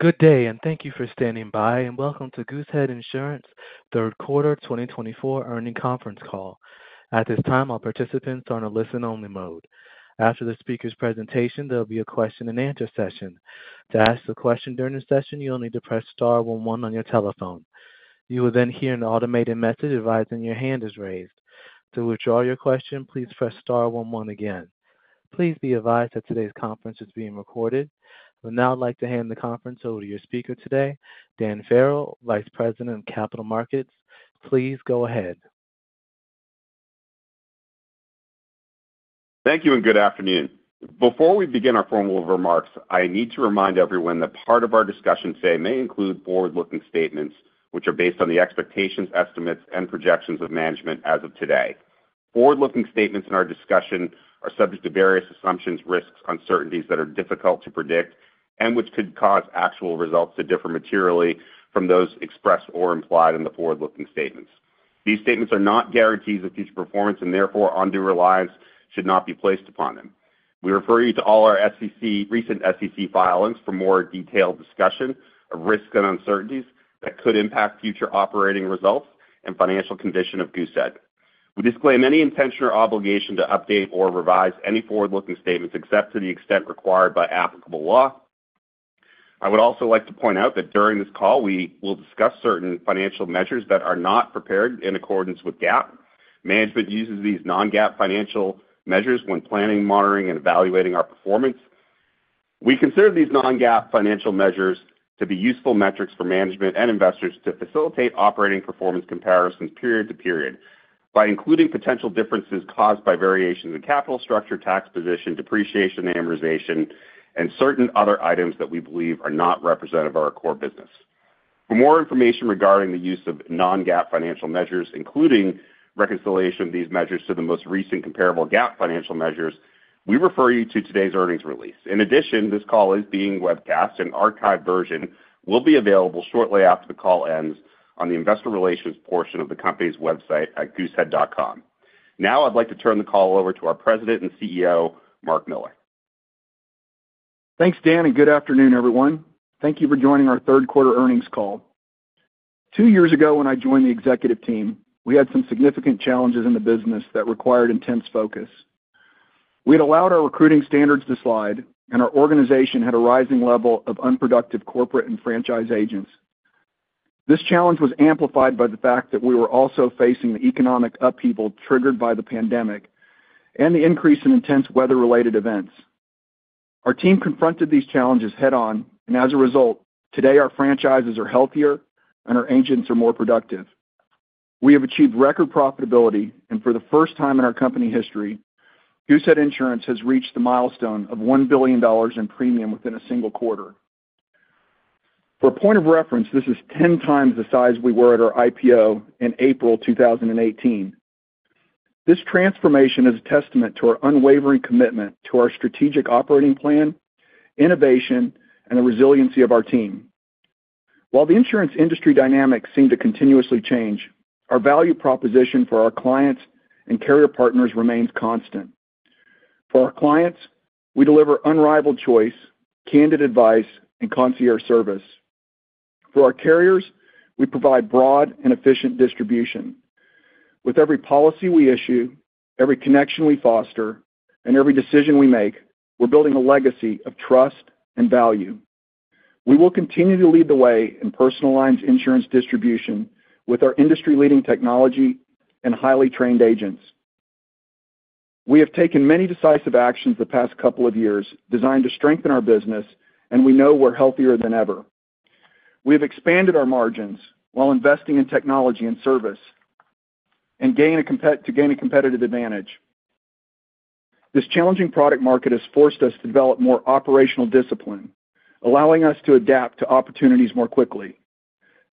Good day, and thank you for standing by, and welcome to Goosehead Insurance Third Quarter Twenty Twenty-four Earnings Conference Call. At this time, all participants are on a listen-only mode. After the speaker's presentation, there'll be a question-and-answer session. To ask a question during the session, you'll need to press star one one on your telephone. You will then hear an automated message advising your hand is raised. To withdraw your question, please press star one one again. Please be advised that today's conference is being recorded. I would now like to hand the conference over to your speaker today, Dan Farrell, Vice President of Capital Markets. Please go ahead. Thank you, and good afternoon. Before we begin our formal remarks, I need to remind everyone that part of our discussion today may include forward-looking statements, which are based on the expectations, estimates, and projections of management as of today. Forward-looking statements in our discussion are subject to various assumptions, risks, uncertainties that are difficult to predict, and which could cause actual results to differ materially from those expressed or implied in the forward-looking statements. These statements are not guarantees of future performance, and therefore, undue reliance should not be placed upon them. We refer you to all our recent SEC filings for more detailed discussion of risks and uncertainties that could impact future operating results and financial condition of Goosehead. We disclaim any intention or obligation to update or revise any forward-looking statements, except to the extent required by applicable law. I would also like to point out that during this call, we will discuss certain financial measures that are not prepared in accordance with GAAP. Management uses these non-GAAP financial measures when planning, monitoring, and evaluating our performance. We consider these non-GAAP financial measures to be useful metrics for management and investors to facilitate operating performance comparisons period to period by including potential differences caused by variations in capital structure, tax position, depreciation, amortization, and certain other items that we believe are not representative of our core business. For more information regarding the use of non-GAAP financial measures, including reconciliation of these measures to the most recent comparable GAAP financial measures, we refer you to today's earnings release. In addition, this call is being webcast. An archived version will be available shortly after the call ends on the investor relations portion of the company's website at goosehead.com. Now I'd like to turn the call over to our President and CEO, Mark Miller. Thanks, Dan, and good afternoon, everyone. Thank you for joining our third quarter earnings call. Two years ago, when I joined the executive team, we had some significant challenges in the business that required intense focus. We had allowed our recruiting standards to slide, and our organization had a rising level of unproductive corporate and franchise agents. This challenge was amplified by the fact that we were also facing the economic upheaval triggered by the pandemic and the increase in intense weather-related events. Our team confronted these challenges head-on, and as a result, today, our franchises are healthier and our agents are more productive. We have achieved record profitability, and for the first time in our company history, Goosehead Insurance has reached the milestone of $1 billion in premium within a single quarter. For a point of reference, this is ten times the size we were at our IPO in April 2018. This transformation is a testament to our unwavering commitment to our strategic operating plan, innovation, and the resiliency of our team. While the insurance industry dynamics seem to continuously change, our value proposition for our clients and carrier partners remains constant. For our clients, we deliver unrivaled choice, candid advice, and concierge service. For our carriers, we provide broad and efficient distribution. With every policy we issue, every connection we foster, and every decision we make, we're building a legacy of trust and value. We will continue to lead the way in personal lines insurance distribution with our industry-leading technology and highly trained agents. We have taken many decisive actions the past couple of years designed to strengthen our business, and we know we're healthier than ever. We have expanded our margins while investing in technology and service to gain a competitive advantage. This challenging product market has forced us to develop more operational discipline, allowing us to adapt to opportunities more quickly.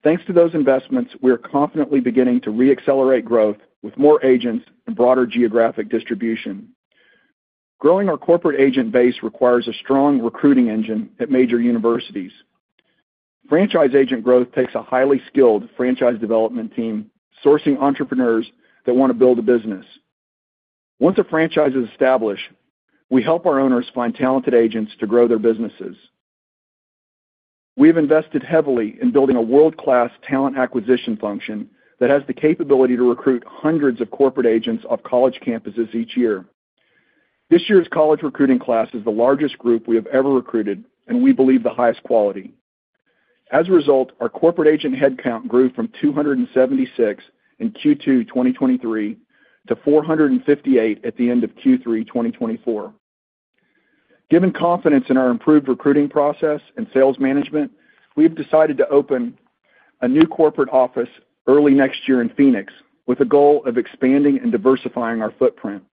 Thanks to those investments, we are confidently beginning to reaccelerate growth with more agents and broader geographic distribution. Growing our corporate agent base requires a strong recruiting engine at major universities. Franchise agent growth takes a highly skilled franchise development team, sourcing entrepreneurs that want to build a business. Once a franchise is established, we help our owners find talented agents to grow their businesses. We have invested heavily in building a world-class talent acquisition function that has the capability to recruit hundreds of corporate agents off college campuses each year. This year's college recruiting class is the largest group we have ever recruited, and we believe, the highest quality. As a result, our corporate agent headcount grew from 276 in Q2 2023 to 458 at the end of Q3 2024. Given confidence in our improved recruiting process and sales management, we've decided to open a new corporate office early next year in Phoenix, with the goal of expanding and diversifying our footprint.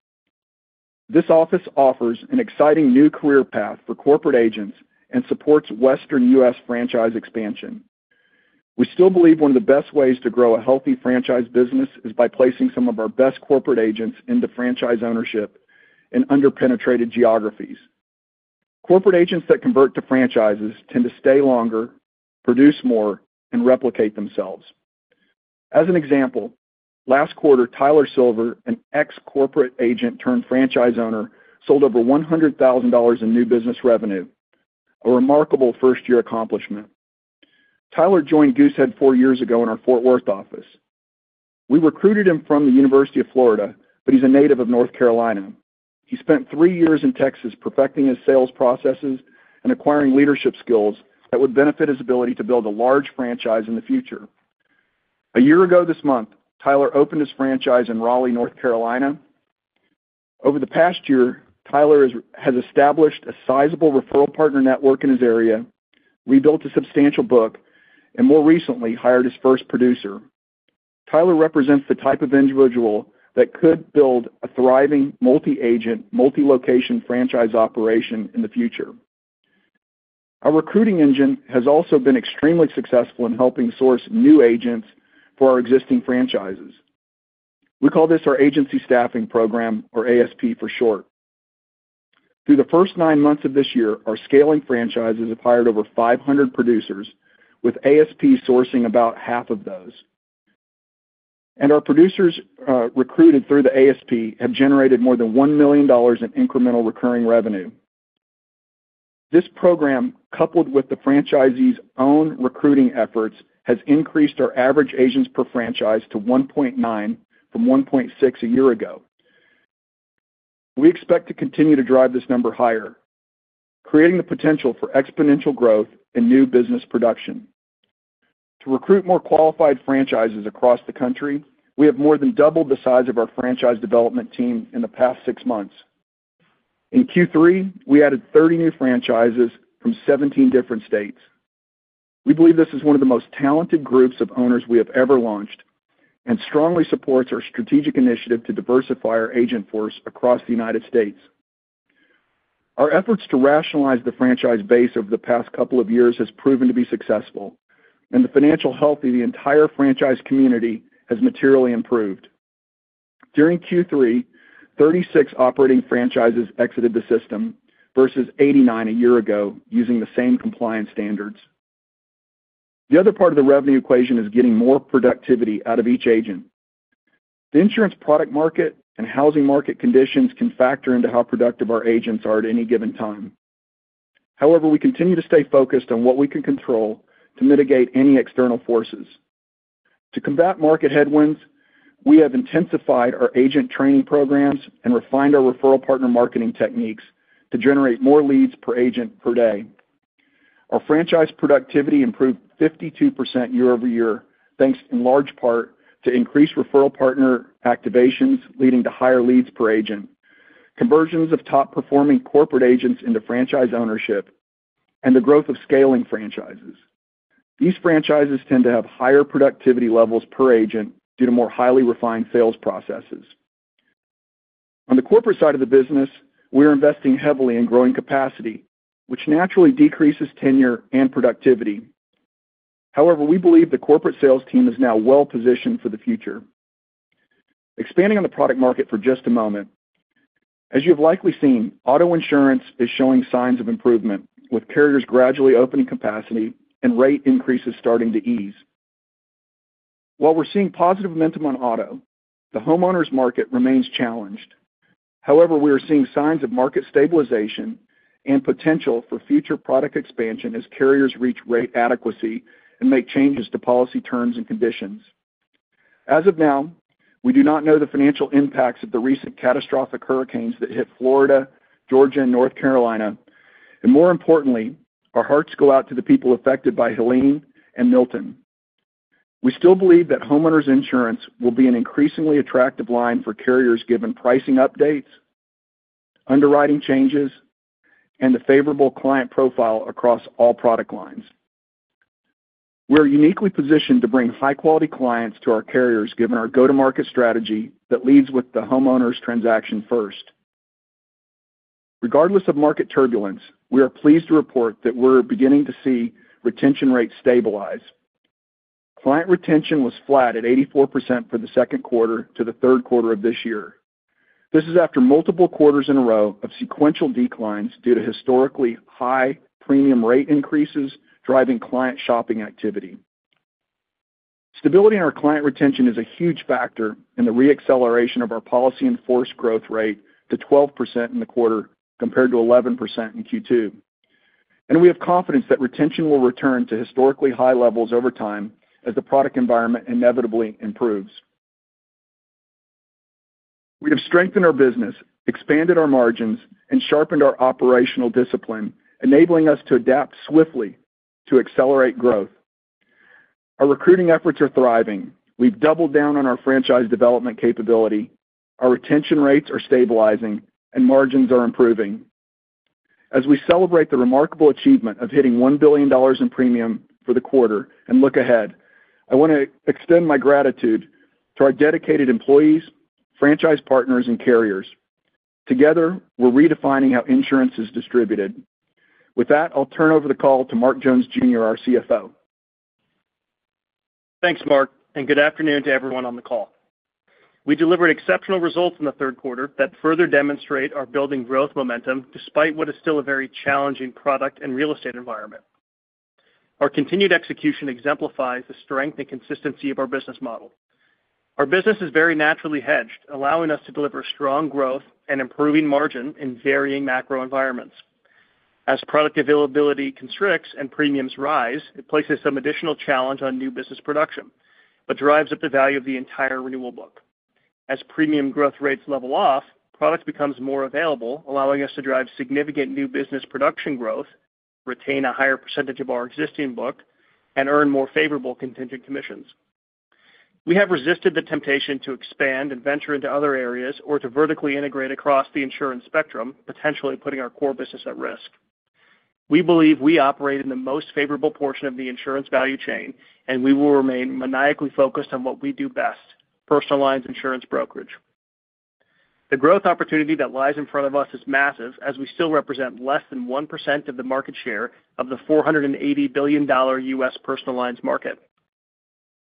This office offers an exciting new career path for corporate agents and supports Western U.S. franchise expansion. We still believe one of the best ways to grow a healthy franchise business is by placing some of our best corporate agents into franchise ownership in under-penetrated geographies. Corporate agents that convert to franchises tend to stay longer, produce more, and replicate themselves. As an example, last quarter, Tyler Silver, an ex-corporate agent turned franchise owner, sold over $100,000 in new business revenue, a remarkable first-year accomplishment. Tyler joined Goosehead four years ago in our Fort Worth office. We recruited him from the University of Florida, but he's a native of North Carolina. He spent three years in Texas perfecting his sales processes and acquiring leadership skills that would benefit his ability to build a large franchise in the future. A year ago this month, Tyler opened his franchise in Raleigh, North Carolina. Over the past year, Tyler has established a sizable referral partner network in his area, rebuilt a substantial book, and more recently, hired his first producer. Tyler represents the type of individual that could build a thriving multi-agent, multi-location franchise operation in the future. Our recruiting engine has also been extremely successful in helping source new agents for our existing franchises. We call this our Agency Staffing Program or ASP for short. Through the first nine months of this year, our scaling franchises have hired over 500 producers, with ASP sourcing about half of those, and our producers, recruited through the ASP have generated more than $1 million in incremental recurring revenue. This program, coupled with the franchisee's own recruiting efforts, has increased our average agents per franchise to 1.9 from 1.6 a year ago. We expect to continue to drive this number higher, creating the potential for exponential growth and new business production. To recruit more qualified franchises across the country, we have more than doubled the size of our franchise development team in the past six months. In Q3, we added 30 new franchises from 17 different states. We believe this is one of the most talented groups of owners we have ever launched and strongly supports our strategic initiative to diversify our agent force across the United States. Our efforts to rationalize the franchise base over the past couple of years has proven to be successful, and the financial health of the entire franchise community has materially improved. During Q3, 36 operating franchises exited the system versus 89 a year ago, using the same compliance standards. The other part of the revenue equation is getting more productivity out of each agent. The insurance product market and housing market conditions can factor into how productive our agents are at any given time. However, we continue to stay focused on what we can control to mitigate any external forces. To combat market headwinds, we have intensified our agent training programs and refined our referral partner marketing techniques to generate more leads per agent per day. Our franchise productivity improved 52% year-over-year, thanks in large part to increased referral partner activations, leading to higher leads per agent, conversions of top-performing corporate agents into franchise ownership, and the growth of scaling franchises. These franchises tend to have higher productivity levels per agent due to more highly refined sales processes. On the corporate side of the business, we are investing heavily in growing capacity, which naturally decreases tenure and productivity. However, we believe the corporate sales team is now well positioned for the future. Expanding on the product market for just a moment. As you have likely seen, auto insurance is showing signs of improvement, with carriers gradually opening capacity and rate increases starting to ease. While we're seeing positive momentum on auto, the homeowners market remains challenged. However, we are seeing signs of market stabilization and potential for future product expansion as carriers reach rate adequacy and make changes to policy terms and conditions. As of now, we do not know the financial impacts of the recent catastrophic hurricanes that hit Florida, Georgia, and North Carolina, and more importantly, our hearts go out to the people affected by Helene and Milton. We still believe that homeowners insurance will be an increasingly attractive line for carriers, given pricing updates, underwriting changes, and the favorable client profile across all product lines. We are uniquely positioned to bring high-quality clients to our carriers, given our go-to-market strategy that leads with the homeowners transaction first. Regardless of market turbulence, we are pleased to report that we're beginning to see retention rates stabilize. Client retention was flat at 84% for the second quarter to the third quarter of this year. This is after multiple quarters in a row of sequential declines due to historically high premium rate increases, driving client shopping activity. Stability in our client retention is a huge factor in the re-acceleration of our Policies in Force growth rate to 12% in the quarter, compared to 11% in Q2, and we have confidence that retention will return to historically high levels over time as the product environment inevitably improves. We have strengthened our business, expanded our margins, and sharpened our operational discipline, enabling us to adapt swiftly to accelerate growth. Our recruiting efforts are thriving. We've doubled down on our franchise development capability. Our retention rates are stabilizing, and margins are improving. As we celebrate the remarkable achievement of hitting $1 billion in premium for the quarter and look ahead, I want to extend my gratitude to our dedicated employees, franchise partners, and carriers. Together, we're redefining how insurance is distributed. With that, I'll turn over the call to Mark Jones Jr., our CFO. Thanks, Mark, and good afternoon to everyone on the call. We delivered exceptional results in the third quarter that further demonstrate our building growth momentum, despite what is still a very challenging product and real estate environment. Our continued execution exemplifies the strength and consistency of our business model. Our business is very naturally hedged, allowing us to deliver strong growth and improving margin in varying macro environments. As product availability constricts and premiums rise, it places some additional challenge on new business production, but drives up the value of the entire renewal book. As premium growth rates level off, product becomes more available, allowing us to drive significant new business production growth, retain a higher percentage of our existing book, and earn more favorable contingent commissions. We have resisted the temptation to expand and venture into other areas or to vertically integrate across the insurance spectrum, potentially putting our core business at risk. We believe we operate in the most favorable portion of the insurance value chain, and we will remain maniacally focused on what we do best, personal lines insurance brokerage. The growth opportunity that lies in front of us is massive, as we still represent less than 1% of the market share of the $480 billion U.S. personal lines market.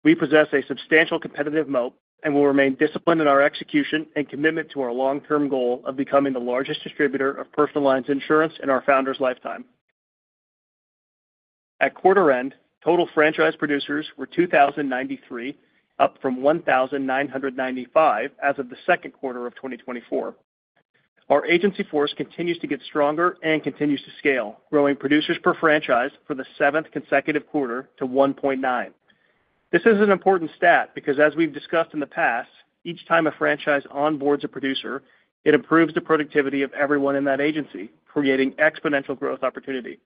We possess a substantial competitive moat and will remain disciplined in our execution and commitment to our long-term goal of becoming the largest distributor of personal lines insurance in our founder's lifetime. At quarter end, total franchise producers were 2,093, up from 1,995 as of the second quarter of 2024. Our agency force continues to get stronger and continues to scale, growing producers per franchise for the seventh consecutive quarter to 1.9. This is an important stat because, as we've discussed in the past, each time a franchise onboards a producer, it improves the productivity of everyone in that agency, creating exponential growth opportunity.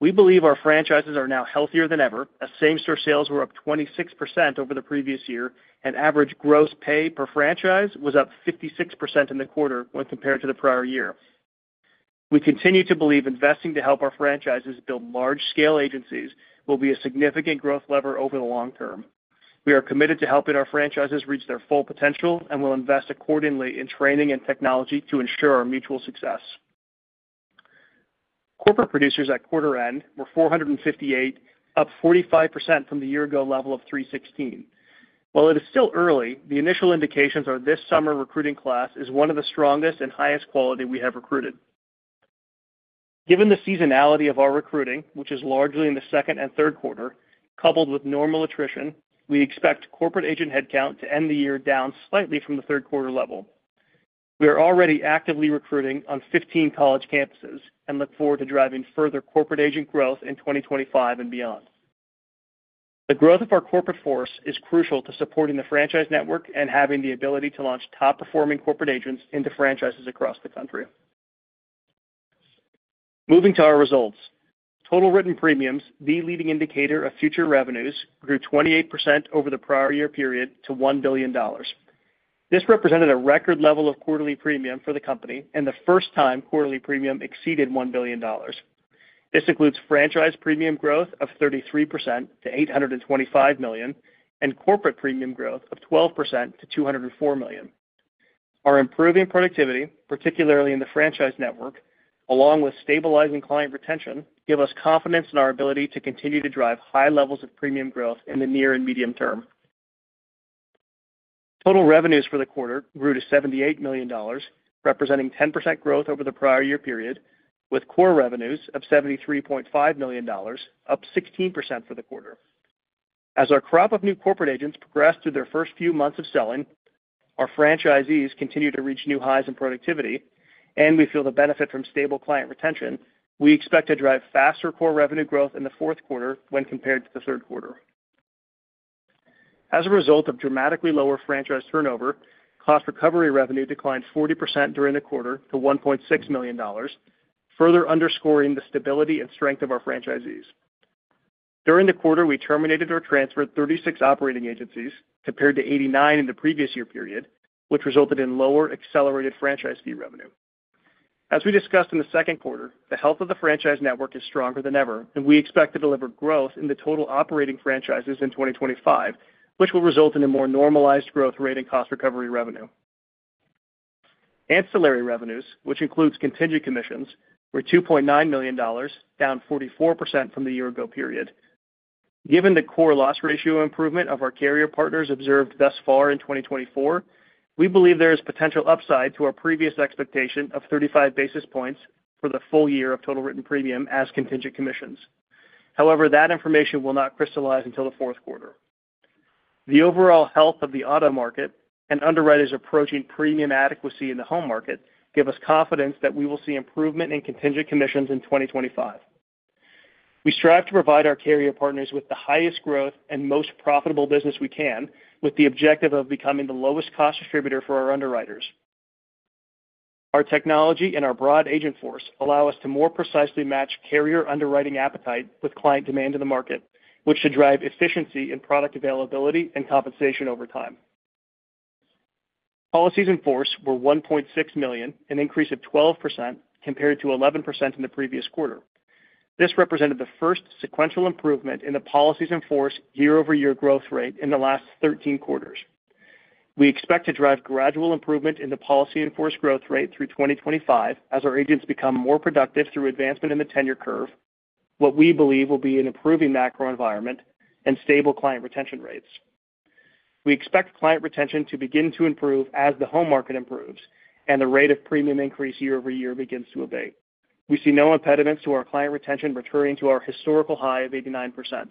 We believe our franchises are now healthier than ever, as same store sales were up 26% over the previous year, and average gross pay per franchise was up 56% in the quarter when compared to the prior year. We continue to believe investing to help our franchises build large-scale agencies will be a significant growth lever over the long term. We are committed to helping our franchises reach their full potential and will invest accordingly in training and technology to ensure our mutual success. Corporate producers at quarter end were 458, up 45% from the year ago level of 316. While it is still early, the initial indications are this summer recruiting class is one of the strongest and highest quality we have recruited. Given the seasonality of our recruiting, which is largely in the second and third quarter, coupled with normal attrition, we expect corporate agent headcount to end the year down slightly from the third quarter level. We are already actively recruiting on 15 college campuses and look forward to driving further corporate agent growth in 2025 and beyond. The growth of our corporate force is crucial to supporting the franchise network and having the ability to launch top-performing corporate agents into franchises across the country. Moving to our results. Total written premiums, the leading indicator of future revenues, grew 28% over the prior year period to $1 billion. This represented a record level of quarterly premium for the company and the first time quarterly premium exceeded $1 billion. This includes franchise premium growth of 33% to $825 million, and corporate premium growth of 12% to $204 million. Our improving productivity, particularly in the franchise network, along with stabilizing client retention, give us confidence in our ability to continue to drive high levels of premium growth in the near and medium term. Total revenues for the quarter grew to $78 million, representing 10% growth over the prior year period, with core revenues of $73.5 million, up 16% for the quarter. As our crop of new corporate agents progress through their first few months of selling, our franchisees continue to reach new highs in productivity, and we feel the benefit from stable client retention, we expect to drive faster core revenue growth in the fourth quarter when compared to the third quarter. As a result of dramatically lower franchise turnover, cost recovery revenue declined 40% during the quarter to $1.6 million, further underscoring the stability and strength of our franchisees. During the quarter, we terminated or transferred 36 operating agencies, compared to 89 in the previous year period, which resulted in lower accelerated franchise fee revenue. As we discussed in the second quarter, the health of the franchise network is stronger than ever, and we expect to deliver growth in the total operating franchises in 2025, which will result in a more normalized growth rate and cost recovery revenue. Ancillary revenues, which includes contingent commissions, were $2.9 million, down 44% from the year ago period. Given the core loss ratio improvement of our carrier partners observed thus far in 2024, we believe there is potential upside to our previous expectation of 35 basis points for the full year of total written premium as contingent commissions. However, that information will not crystallize until the fourth quarter. The overall health of the auto market and underwriters approaching premium adequacy in the home market, give us confidence that we will see improvement in contingent commissions in 2025. We strive to provide our carrier partners with the highest growth and most profitable business we can, with the objective of becoming the lowest cost distributor for our underwriters. Our technology and our broad agent force allow us to more precisely match carrier underwriting appetite with client demand in the market, which should drive efficiency in product availability and compensation over time. Policies in Force were 1.6 million, an increase of 12% compared to 11% in the previous quarter. This represented the first sequential improvement in the Policies in Force year-over-year growth rate in the last 13 quarters. We expect to drive gradual improvement in the Policy in Force growth rate through 2025 as our agents become more productive through advancement in the tenure curve,... what we believe will be an improving macro environment and stable client retention rates. We expect client retention to begin to improve as the home market improves and the rate of premium increase year-over-year begins to abate. We see no impediments to our client retention returning to our historical high of 89%.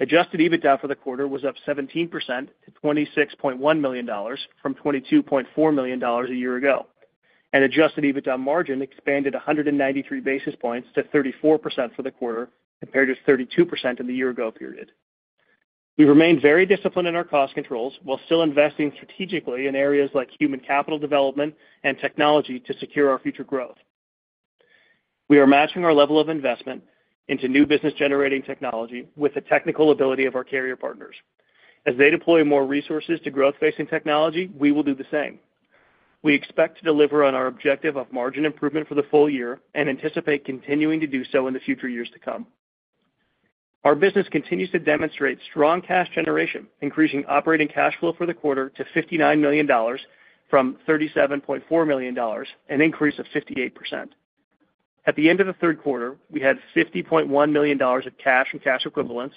Adjusted EBITDA for the quarter was up 17% to $26.1 million from $22.4 million a year ago, and adjusted EBITDA margin expanded 193 basis points to 34% for the quarter, compared to 32% in the year ago period. We remained very disciplined in our cost controls while still investing strategically in areas like human capital development and technology to secure our future growth. We are matching our level of investment into new business-generating technology with the technical ability of our carrier partners. As they deploy more resources to growth-facing technology, we will do the same. We expect to deliver on our objective of margin improvement for the full year and anticipate continuing to do so in the future years to come. Our business continues to demonstrate strong cash generation, increasing operating cash flow for the quarter to $59 million from $37.4 million, an increase of 58%. At the end of the third quarter, we had $50.1 million of cash and cash equivalents.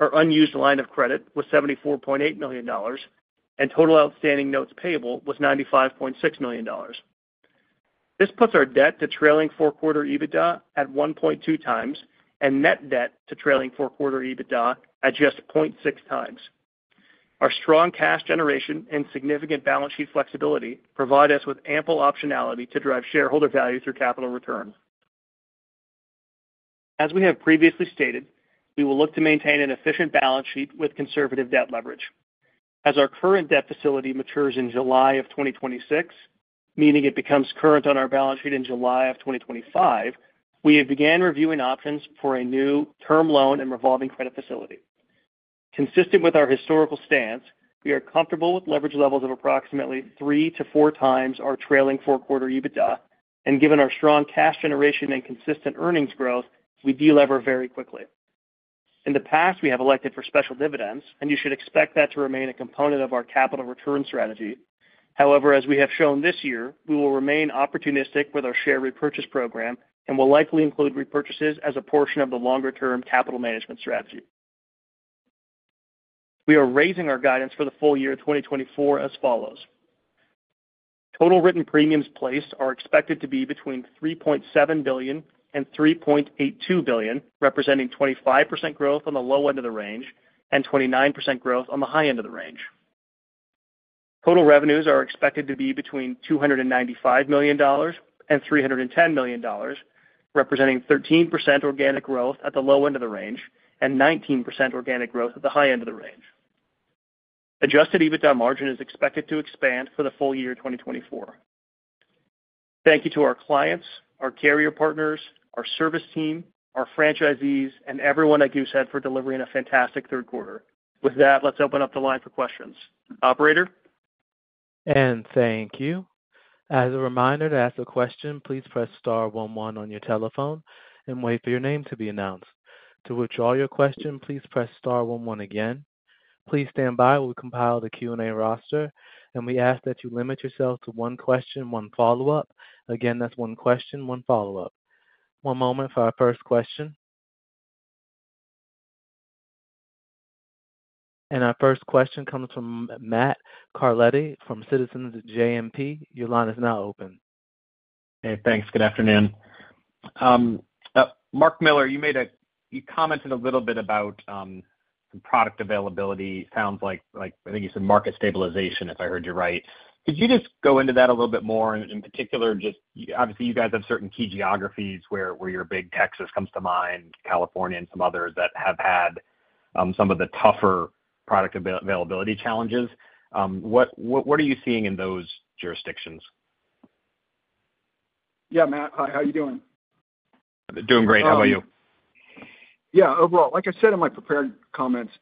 Our unused line of credit was $74.8 million, and total outstanding notes payable was $95.6 million. This puts our debt to trailing four quarter EBITDA at 1.2 times, and net debt to trailing four quarter EBITDA at just 0.6 times. Our strong cash generation and significant balance sheet flexibility provide us with ample optionality to drive shareholder value through capital returns. As we have previously stated, we will look to maintain an efficient balance sheet with conservative debt leverage. As our current debt facility matures in July of twenty twenty-six, meaning it becomes current on our balance sheet in July of twenty twenty-five, we have began reviewing options for a new term loan and revolving credit facility. Consistent with our historical stance, we are comfortable with leverage levels of approximately three to four times our trailing four quarter EBITDA, and given our strong cash generation and consistent earnings growth, we de-lever very quickly. In the past, we have elected for special dividends, and you should expect that to remain a component of our capital return strategy. However, as we have shown this year, we will remain opportunistic with our share repurchase program and will likely include repurchases as a portion of the longer-term capital management strategy. We are raising our guidance for the full year 2024 as follows: Total written premiums placed are expected to be between $3.7 billion and $3.82 billion, representing 25% growth on the low end of the range and 29% growth on the high end of the range. Total revenues are expected to be between $295 million and $310 million, representing 13% organic growth at the low end of the range and 19% organic growth at the high end of the range. Adjusted EBITDA margin is expected to expand for the full year 2024. Thank you to our clients, our carrier partners, our service team, our franchisees, and everyone at Goosehead for delivering a fantastic third quarter. With that, let's open up the line for questions. Operator? And thank you. As a reminder, to ask a question, please press star one one on your telephone and wait for your name to be announced. To withdraw your question, please press star one one again. Please stand by while we compile the Q&A roster, and we ask that you limit yourself to one question, one follow-up. Again, that's one question, one follow-up. One moment for our first question. And our first question comes from Matt Carletti from Citizens JMP. Your line is now open. Hey, thanks. Good afternoon. Mark Miller, you commented a little bit about product availability. Sounds like, like, I think you said market stabilization, if I heard you right. Could you just go into that a little bit more? In particular, just, obviously, you guys have certain key geographies where you're big. Texas comes to mind, California, and some others that have had some of the tougher product availability challenges. What are you seeing in those jurisdictions? Yeah, Matt. Hi, how are you doing? Doing great. How about you? Yeah. Well, like I said in my prepared comments,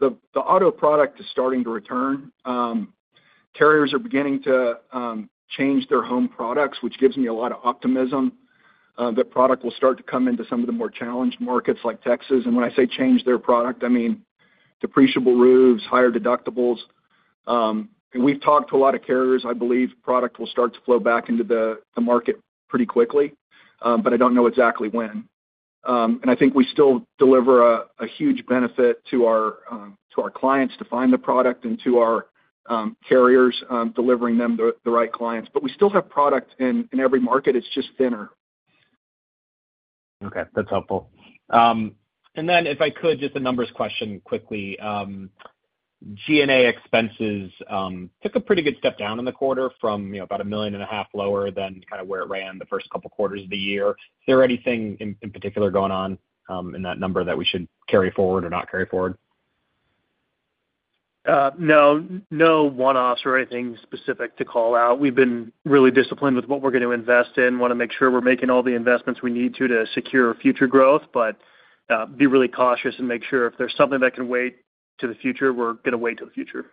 the auto product is starting to return. Carriers are beginning to change their home products, which gives me a lot of optimism that product will start to come into some of the more challenged markets like Texas. And when I say change their product, I mean depreciable roofs, higher deductibles. And we've talked to a lot of carriers. I believe product will start to flow back into the market pretty quickly, but I don't know exactly when. And I think we still deliver a huge benefit to our clients to find the product and to our carriers, delivering them the right clients. But we still have product in every market; it's just thinner. Okay, that's helpful, and then if I could, just a numbers question quickly. G&A expenses took a pretty good step down in the quarter from, you know, about $1.5 million lower than kind of where it ran the first couple of quarters of the year. Is there anything in particular going on in that number that we should carry forward or not carry forward? No, no one-offs or anything specific to call out. We've been really disciplined with what we're going to invest in. Want to make sure we're making all the investments we need to, to secure future growth, but be really cautious and make sure if there's something that can wait to the future, we're going to wait till the future.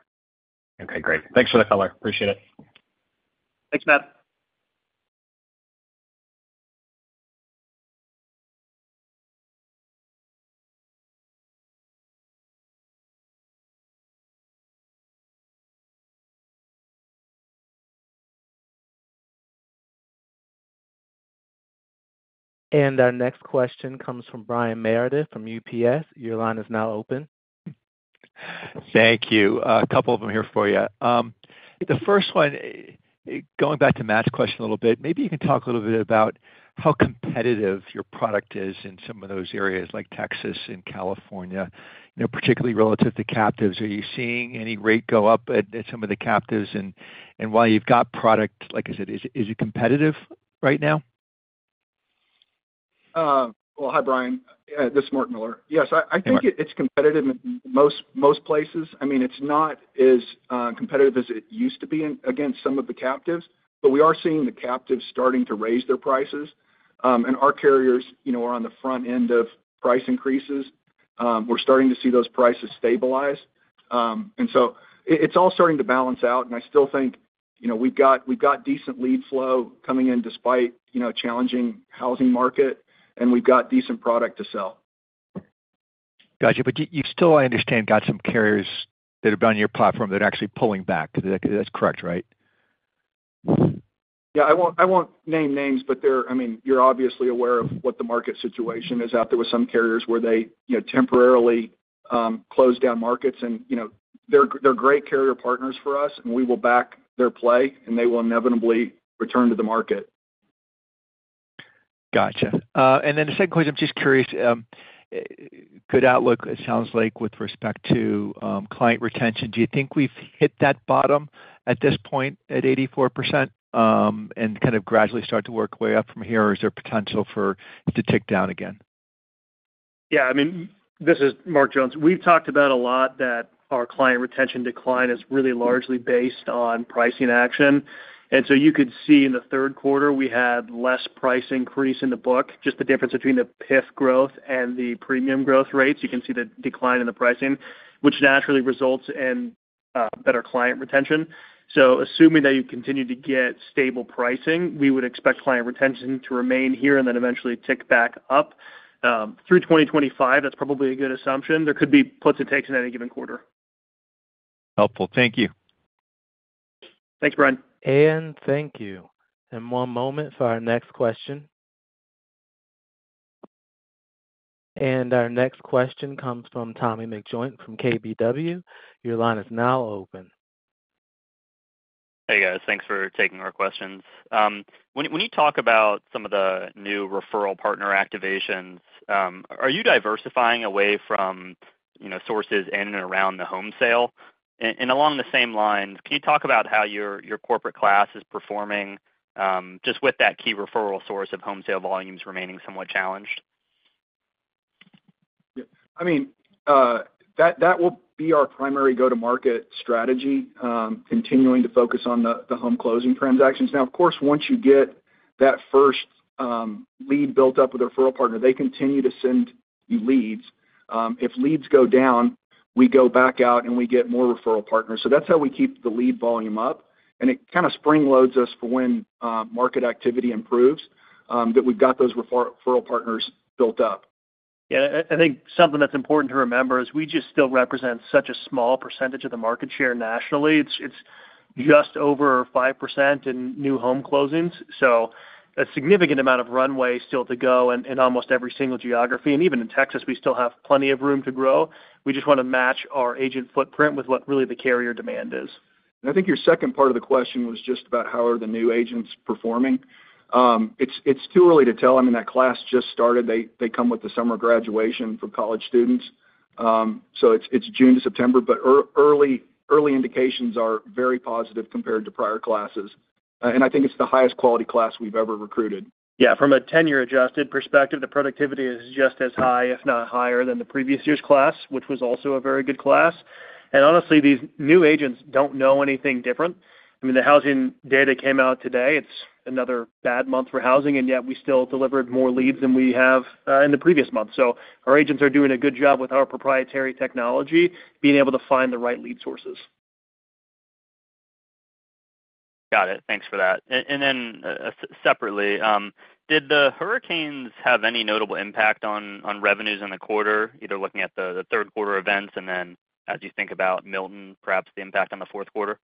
Okay, great. Thanks for the color. Appreciate it. Thanks, Matt. ... And our next question comes from Brian Meredith from UBS. Your line is now open. Thank you. A couple of them here for you. The first one, going back to Matt's question a little bit, maybe you can talk a little bit about how competitive your product is in some of those areas, like Texas and California, you know, particularly relative to captives. Are you seeing any rate go up at some of the captives? And while you've got product, like I said, is it competitive right now? Well, hi, Brian. This is Mark Miller. Yes, I think it's competitive in most places. I mean, it's not as competitive as it used to be in, against some of the captives, but we are seeing the captives starting to raise their prices. And our carriers, you know, are on the front end of price increases. We're starting to see those prices stabilize. And so it's all starting to balance out, and I still think, you know, we've got decent lead flow coming in despite, you know, a challenging housing market, and we've got decent product to sell. Got you. But you still, I understand, got some carriers that have been on your platform that are actually pulling back. That's correct, right? Yeah, I won't, I won't name names, but they're, I mean, you're obviously aware of what the market situation is out there with some carriers where they, you know, temporarily close down markets. And, you know, they're great carrier partners for us, and we will back their play, and they will inevitably return to the market. Gotcha. And then the second question, I'm just curious, good outlook, it sounds like, with respect to, client retention. Do you think we've hit that bottom at this point, at 84%, and kind of gradually start to work our way up from here? Or is there potential for it to tick down again? Yeah, I mean, this is Mark Jones. We've talked about a lot that our client retention decline is really largely based on pricing action. And so you could see in the third quarter, we had less price increase in the book, just the difference between the PIF growth and the premium growth rates. You can see the decline in the pricing, which naturally results in better client retention. So assuming that you continue to get stable pricing, we would expect client retention to remain here and then eventually tick back up. Through twenty twenty-five, that's probably a good assumption. There could be puts and takes in any given quarter. Helpful. Thank you. Thanks, Brian. Thank you. One moment for our next question. Our next question comes from Tommy McJoynt from KBW. Your line is now open. Hey, guys. Thanks for taking our questions. When you talk about some of the new referral partner activations, are you diversifying away from, you know, sources in and around the home sale? And along the same lines, can you talk about how your corporate class is performing, just with that key referral source of home sale volumes remaining somewhat challenged? Yeah. I mean, that will be our primary go-to-market strategy, continuing to focus on the home closing transactions. Now, of course, once you get that first lead built up with a referral partner, they continue to send you leads. If leads go down, we go back out, and we get more referral partners. So that's how we keep the lead volume up, and it kind of springloads us for when market activity improves, that we've got those referral partners built up. Yeah, I think something that's important to remember is we just still represent such a small percentage of the market share nationally. It's just over 5% in new home closings, so a significant amount of runway still to go in almost every single geography. And even in Texas, we still have plenty of room to grow. We just want to match our agent footprint with what really the carrier demand is. And I think your second part of the question was just about how are the new agents performing? It's too early to tell. I mean, that class just started. They come with the summer graduation for college students. So it's June to September, but early indications are very positive compared to prior classes. And I think it's the highest quality class we've ever recruited. Yeah, from a tenure-adjusted perspective, the productivity is just as high, if not higher, than the previous year's class, which was also a very good class. And honestly, these new agents don't know anything different. I mean, the housing data came out today. It's another bad month for housing, and yet we still delivered more leads than we have in the previous month. So our agents are doing a good job with our proprietary technology, being able to find the right lead sources. Got it. Thanks for that. And then, separately, did the hurricanes have any notable impact on revenues in the quarter, either looking at the third quarter events and then as you think about Milton, perhaps the impact on the fourth quarter?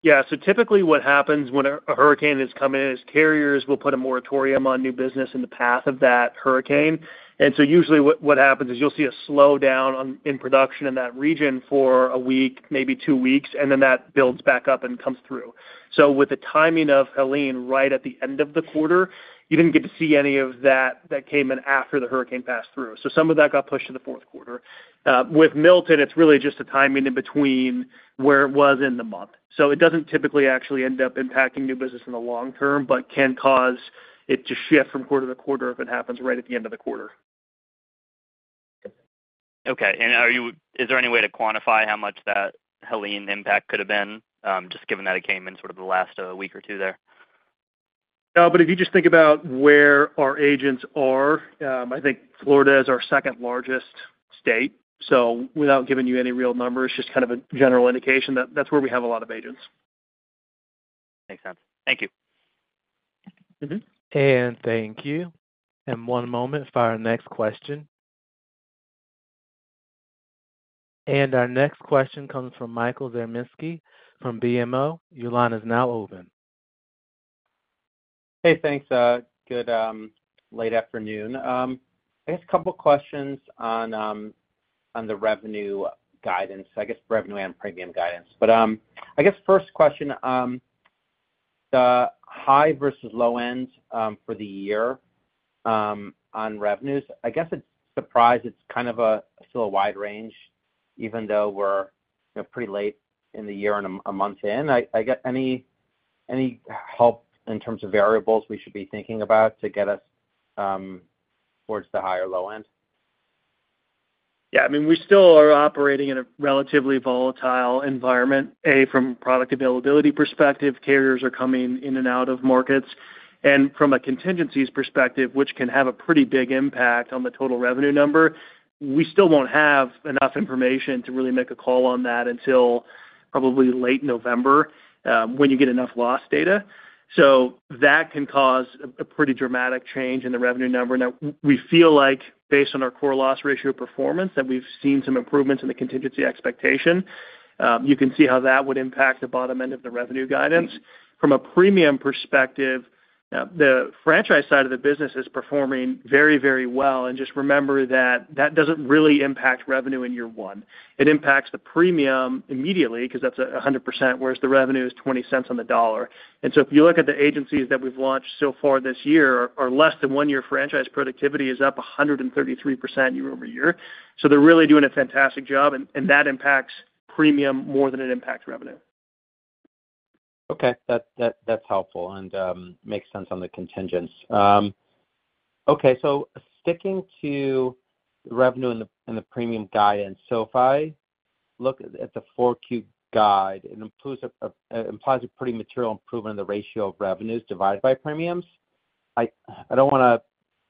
Yeah, so typically what happens when a hurricane is coming in is carriers will put a moratorium on new business in the path of that hurricane. And so usually what happens is you'll see a slowdown in production in that region for a week, maybe two weeks, and then that builds back up and comes through. So with the timing of Helene right at the end of the quarter, you didn't get to see any of that came in after the hurricane passed through. So some of that got pushed to the fourth quarter. With Milton, it's really just a timing in between where it was in the month. So it doesn't typically actually end up impacting new business in the long term, but can cause it to shift from quarter to quarter if it happens right at the end of the quarter. Okay. And is there any way to quantify how much that Helene impact could have been, just given that it came in sort of the last week or two there? No, but if you just think about where our agents are, I think Florida is our second largest state. So without giving you any real numbers, just kind of a general indication, that's where we have a lot of agents. Makes sense. Thank you. Mm-hmm, and thank you. And one moment for our next question.... And our next question comes from Michael Zaremski from BMO. Your line is now open. Hey, thanks, good late afternoon. I guess a couple questions on the revenue guidance, I guess, revenue and premium guidance. But, I guess first question, the high versus low end for the year on revenues, I guess it's surprising it's kind of a still a wide range, even though we're, you know, pretty late in the year and a month in. I guess, any help in terms of variables we should be thinking about to get us towards the high or low end? Yeah, I mean, we still are operating in a relatively volatile environment, a, from product availability perspective, carriers are coming in and out of markets. And from a contingencies perspective, which can have a pretty big impact on the total revenue number, we still won't have enough information to really make a call on that until probably late November, when you get enough loss data. So that can cause a pretty dramatic change in the revenue number. Now, we feel like based on our core loss ratio performance, that we've seen some improvements in the contingency expectation. You can see how that would impact the bottom end of the revenue guidance. From a premium perspective, the franchise side of the business is performing very, very well. And just remember that that doesn't really impact revenue in year one. It impacts the premium immediately, because that's 100%, whereas the revenue is 20 cents on the dollar. And so if you look at the agencies that we've launched so far this year, our less than one-year franchise productivity is up 133% year-over-year. So they're really doing a fantastic job, and that impacts premium more than it impacts revenue. Okay. That's helpful and makes sense on the contingents. Okay, so sticking to revenue and the premium guidance. So if I look at the Q4 guide, it implies a pretty material improvement in the ratio of revenues divided by premiums. I don't want to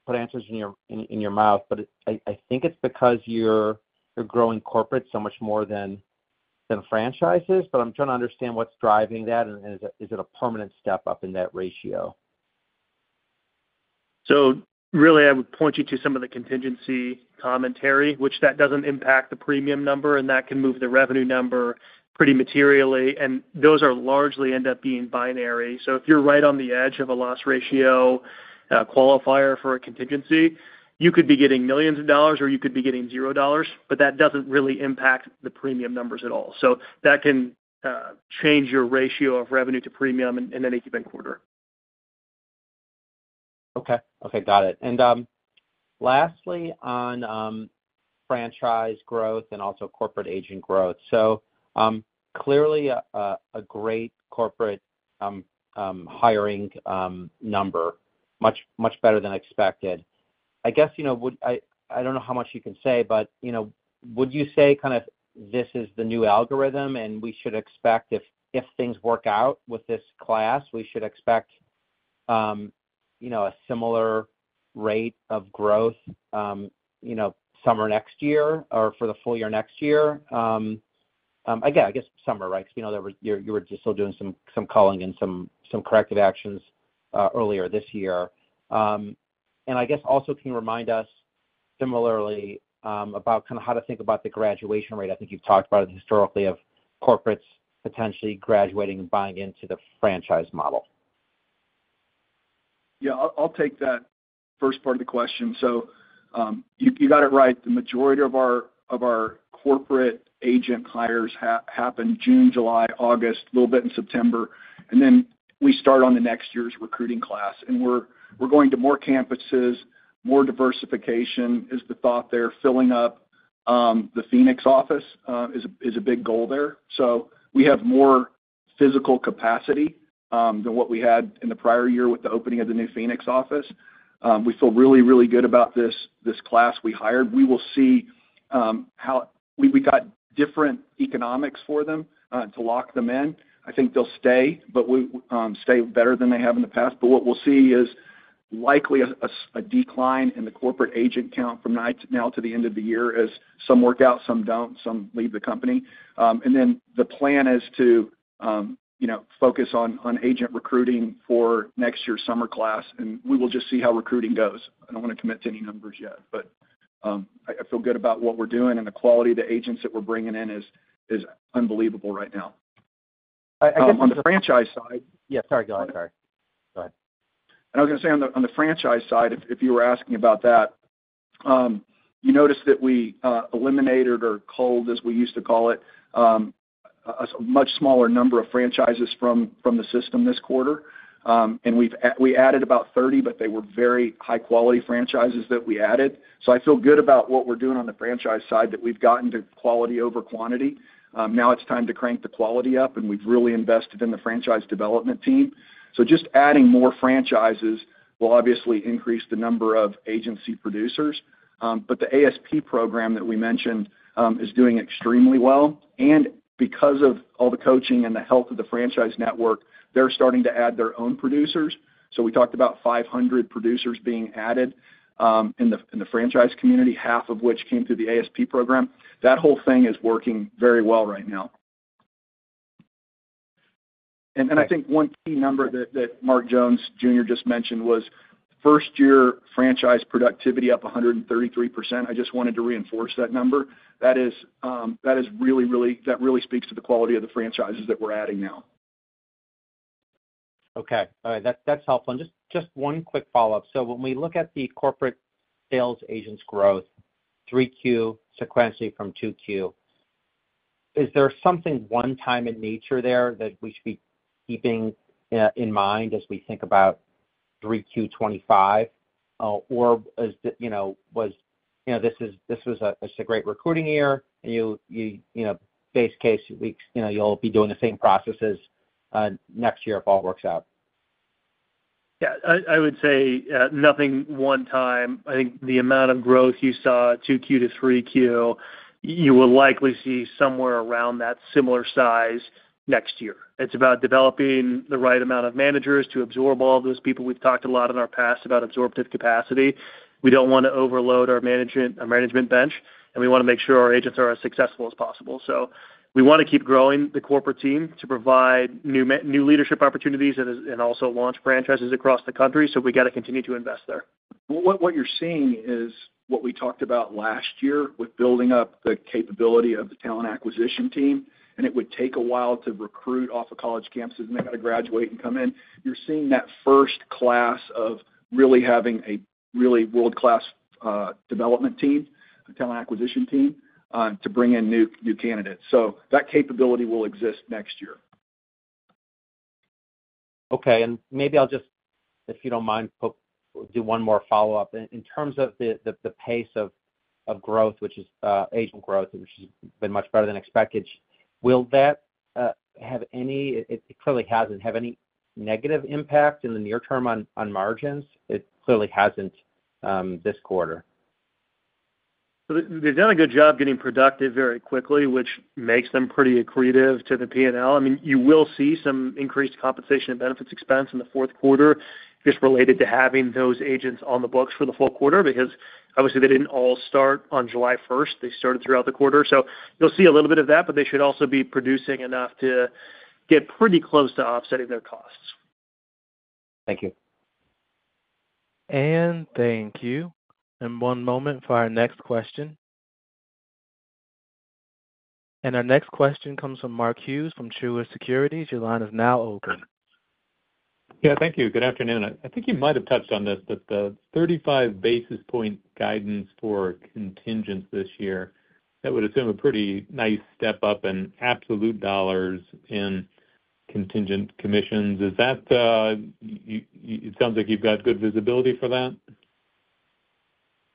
put answers in your mouth, but I think it's because you're growing corporate so much more than franchises. But I'm trying to understand what's driving that, and is it a permanent step up in that ratio? So really, I would point you to some of the contingency commentary, which that doesn't impact the premium number, and that can move the revenue number pretty materially, and those are largely end up being binary. So if you're right on the edge of a loss ratio, qualifier for a contingency, you could be getting millions of dollars or you could be getting zero dollars, but that doesn't really impact the premium numbers at all. So that can change your ratio of revenue to premium in any given quarter. Okay. Okay, got it. And, lastly, on, franchise growth and also corporate agent growth. So, clearly a great corporate hiring number, much, much better than expected. I guess, you know, would I don't know how much you can say, but, you know, would you say kind of this is the new algorithm, and we should expect if things work out with this class, we should expect, you know, a similar rate of growth, you know, summer next year or for the full year next year? Again, I guess summer, right? Because, you know, there were you were just still doing some culling in some corrective actions earlier this year. And I guess also, can you remind us similarly, about kind of how to think about the graduation rate? I think you've talked about it historically of corporates potentially graduating and buying into the franchise model. Yeah, I'll take that first part of the question. So, you got it right. The majority of our corporate agent hires happen June, July, August, a little bit in September, and then we start on the next year's recruiting class. And we're going to more campuses, more diversification is the thought there. Filling up the Phoenix office is a big goal there. So we have more physical capacity than what we had in the prior year with the opening of the new Phoenix office. We feel really, really good about this class we hired. We will see how we got different economics for them to lock them in. I think they'll stay, but we stay better than they have in the past. But what we'll see is likely a decline in the corporate agent count from now to the end of the year, as some work out, some don't, some leave the company. And then the plan is to, you know, focus on agent recruiting for next year's summer class, and we will just see how recruiting goes. I don't want to commit to any numbers yet, but, I feel good about what we're doing, and the quality of the agents that we're bringing in is unbelievable right now. I guess- On the franchise side. Yeah, sorry, go ahead. Sorry. Go ahead. I was gonna say on the franchise side, if you were asking about that, you noticed that we eliminated or culled, as we used to call it, a much smaller number of franchises from the system this quarter. And we added about 30, but they were very high-quality franchises that we added. So I feel good about what we're doing on the franchise side, that we've gotten to quality over quantity. Now it's time to crank the quality up, and we've really invested in the franchise development team. So just adding more franchises will obviously increase the number of agency producers, but the ASP program that we mentioned is doing extremely well. And because of all the coaching and the health of the franchise network, they're starting to add their own producers. So we talked about 500 producers being added in the franchise community, half of which came through the ASP program. That whole thing is working very well right now. ... And I think one key number that Mark Jones Jr. just mentioned was first year franchise productivity up 133%. I just wanted to reinforce that number. That really speaks to the quality of the franchises that we're adding now. Okay, all right, that's, that's helpful. And just, just one quick follow-up. So when we look at the corporate sales agents growth, three Q sequentially from two Q, is there something one-time in nature there that we should be keeping in mind as we think about three Q twenty-five? Or is the, you know, was, you know, this is, this was a, this a great recruiting year, and you, you, you know, base case, we, you know, you'll be doing the same processes next year, if all works out. Yeah, I, I would say nothing one time. I think the amount of growth you saw, 2Q to 3Q, you will likely see somewhere around that similar size next year. It's about developing the right amount of managers to absorb all those people. We've talked a lot in our past about absorptive capacity. We don't want to overload our management, our management bench, and we want to make sure our agents are as successful as possible. So we want to keep growing the corporate team to provide new leadership opportunities and also launch franchises across the country, so we got to continue to invest there. What you're seeing is what we talked about last year with building up the capability of the talent acquisition team, and it would take a while to recruit off of college campuses, and they got to graduate and come in. You're seeing that first class of really having a really world-class development team, a talent acquisition team, to bring in new candidates. So that capability will exist next year. Okay. And maybe I'll just, if you don't mind, do one more follow-up. In terms of the pace of growth, which is agent growth, which has been much better than expected, will that have any negative impact in the near term on margins? It clearly hasn't this quarter. So they've done a good job getting productive very quickly, which makes them pretty accretive to the PNL. I mean, you will see some increased compensation and benefits expense in the fourth quarter, just related to having those agents on the books for the full quarter, because obviously, they didn't all start on July first. They started throughout the quarter. So you'll see a little bit of that, but they should also be producing enough to get pretty close to offsetting their costs. Thank you. Thank you. One moment for our next question. Our next question comes from Mark Hughes, from Truist Securities. Your line is now open. Yeah, thank you. Good afternoon. I think you might have touched on this, but the thirty-five basis point guidance for contingents this year, that would assume a pretty nice step up in absolute dollars in contingent commissions. Is that, you, you – it sounds like you've got good visibility for that?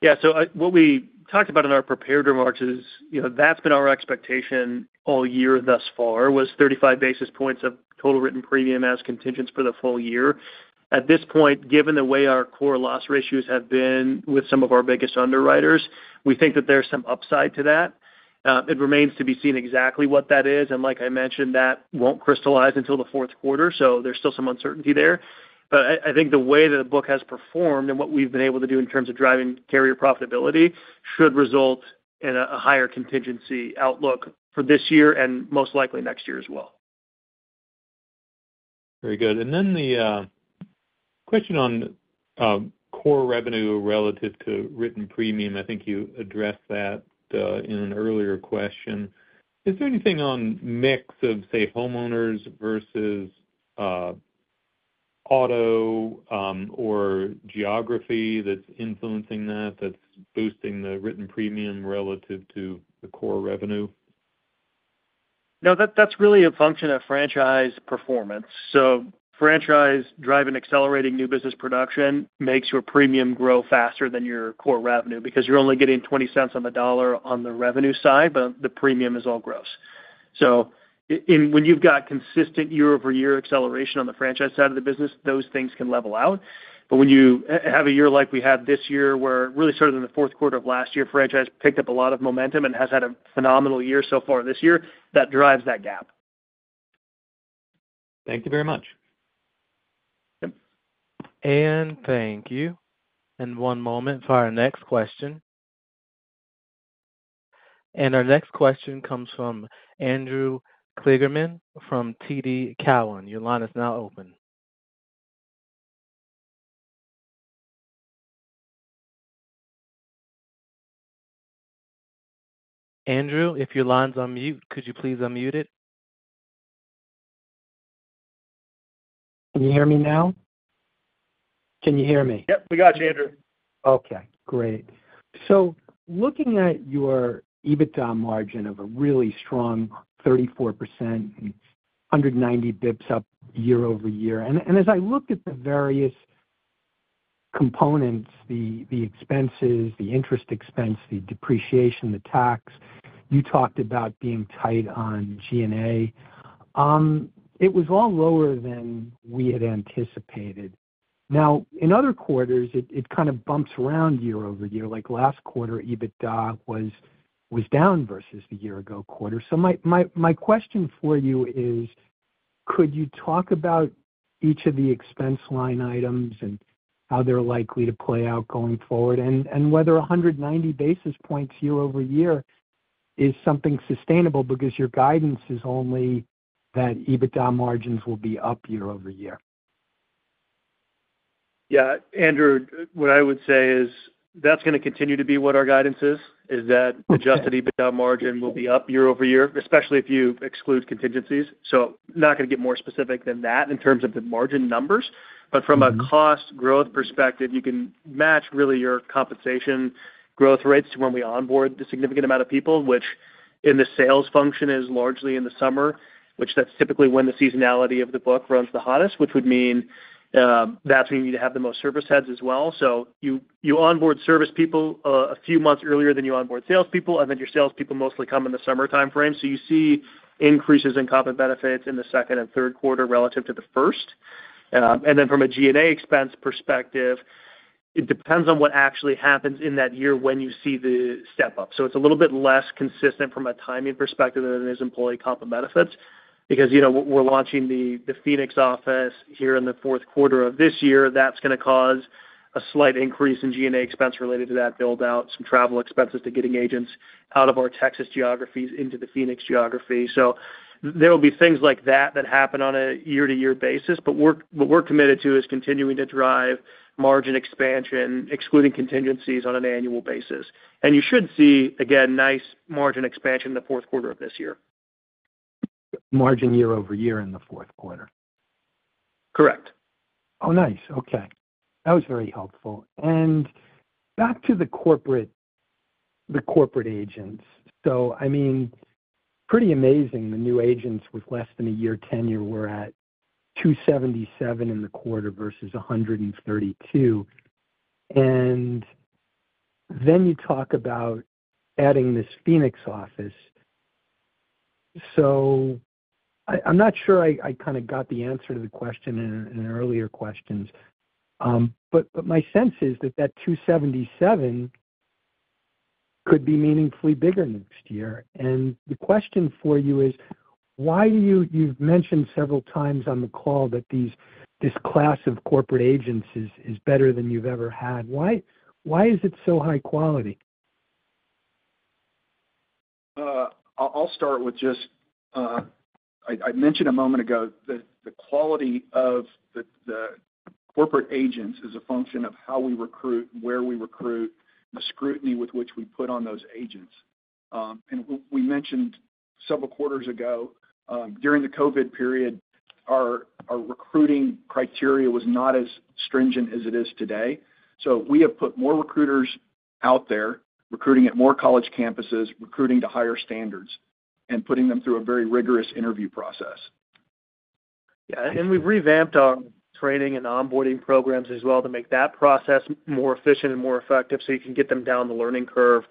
Yeah, so what we talked about in our prepared remarks is, you know, that's been our expectation all year thus far, was 35 basis points of total written premium as contingents for the full year. At this point, given the way our core loss ratios have been with some of our biggest underwriters, we think that there's some upside to that. It remains to be seen exactly what that is, and like I mentioned, that won't crystallize until the fourth quarter, so there's still some uncertainty there. But I think the way that the book has performed and what we've been able to do in terms of driving carrier profitability, should result in a higher contingency outlook for this year and most likely next year as well. Very good. And then the question on core revenue relative to written premium, I think you addressed that in an earlier question. Is there anything on mix of, say, homeowners versus auto, or geography that's influencing that, that's boosting the written premium relative to the core revenue? No, that, that's really a function of franchise performance. So franchise drive and accelerating new business production makes your premium grow faster than your core revenue, because you're only getting twenty cents on the dollar on the revenue side, but the premium is all gross. So in, when you've got consistent year-over-year acceleration on the franchise side of the business, those things can level out. But when you have a year like we had this year, where it really started in the fourth quarter of last year, franchise picked up a lot of momentum and has had a phenomenal year so far this year, that drives that gap. Thank you very much. Yep. And thank you. And one moment for our next question. And our next question comes from Andrew Kligerman from TD Cowen. Your line is now open. Andrew, if your line's on mute, could you please unmute it? Can you hear me now? Can you hear me? Yep, we got you, Andrew. Okay, great. So looking at your EBITDA margin of a really strong 34% and 190 basis points up year-over-year, and as I looked at the various components, the expenses, the interest expense, the depreciation, the tax, you talked about being tight on G&A. It was all lower than we had anticipated. Now, in other quarters, it kind of bumps around year-over-year, like last quarter, EBITDA was down versus the year ago quarter. So my question for you is, could you talk about each of the expense line items and how they're likely to play out going forward? And whether 190 basis points year-over-year is something sustainable because your guidance is only that EBITDA margins will be up year-over-year? Yeah, Andrew, what I would say is that's going to continue to be what our guidance is, is that- Okay. The Adjusted EBITDA margin will be up year-over-year, especially if you exclude contingencies. So not going to get more specific than that in terms of the margin numbers. Mm-hmm. But from a cost growth perspective, you can match really your compensation growth rates to when we onboard the significant amount of people, which in the sales function is largely in the summer, which that's typically when the seasonality of the book runs the hottest, which would mean that's when you have the most service heads as well. So you onboard service people a few months earlier than you onboard salespeople, and then your salespeople mostly come in the summer timeframe. So you see increases in comp and benefits in the second and third quarter relative to the first. And then from a G&A expense perspective, it depends on what actually happens in that year when you see the step up. So it's a little bit less consistent from a timing perspective than it is employee comp and benefits, because, you know, we're launching the Phoenix office here in the fourth quarter of this year. That's going to cause a slight increase in G&A expense related to that build out, some travel expenses to getting agents out of our Texas geographies into the Phoenix geography. So there will be things like that that happen on a year-to-year basis, but what we're committed to is continuing to drive margin expansion, excluding contingencies on an annual basis. And you should see, again, nice margin expansion in the fourth quarter of this year. Margin year-over-year in the fourth quarter? Correct. Oh, nice. Okay. That was very helpful. Back to the corporate agents. So I mean, pretty amazing, the new agents with less than a year tenure were at 277 in the quarter versus 132. Then you talk about adding this Phoenix office. So I'm not sure I kind of got the answer to the question in earlier questions. But my sense is that that 277 could be meaningfully bigger next year. The question for you is, why do you, you've mentioned several times on the call that this class of corporate agents is better than you've ever had. Why is it so high quality? I'll start with just I mentioned a moment ago that the quality of the corporate agents is a function of how we recruit, where we recruit, the scrutiny with which we put on those agents. And we mentioned several quarters ago, during the COVID period, our recruiting criteria was not as stringent as it is today. So we have put more recruiters out there, recruiting at more college campuses, recruiting to higher standards, and putting them through a very rigorous interview process. Yeah, and we've revamped our training and onboarding programs as well to make that process more efficient and more effective, so you can get them down the learning curve